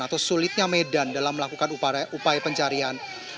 atau sulitnya medan dalam melakukan upaya pencarian